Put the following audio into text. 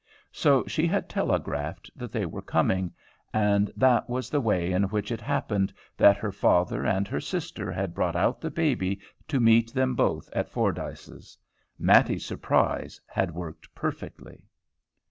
So she had telegraphed that they were coming, and that was the way in which it happened that her father and her sister had brought out the baby to meet them both at Fordyce's. Mattie's surprise had worked perfectly.